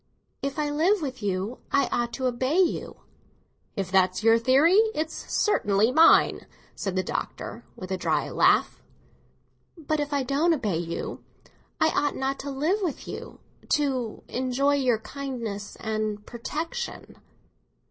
"If I live with you, I ought to obey you." "If that's your theory, it's certainly mine," said the Doctor, with a dry laugh. "But if I don't obey you, I ought not to live with you—to enjoy your kindness and protection."